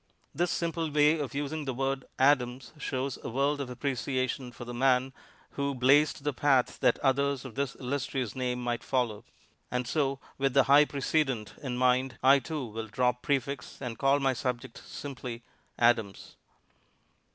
This simple way of using the word "Adams" shows a world of appreciation for the man who blazed the path that others of this illustrious name might follow. And so with the high precedent in mind, I, too, will drop prefix and call my subject simply "Adams."